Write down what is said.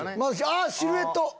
あっシルエット！